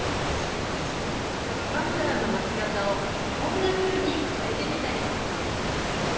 マフラーのまき方をこんなふうに変えてみたり。